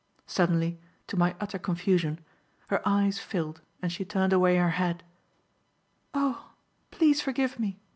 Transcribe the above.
Suddenly, to my utter confusion, her eyes filled and she turned away her head. "Oh! please forgive me!"